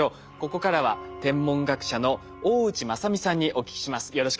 ここからは天文学者の大内正己さんにお聞きします。